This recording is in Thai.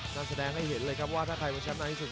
นั่นแสดงให้เห็นเลยครับว่าถ้าใครเป็นแชมป์ในที่สุด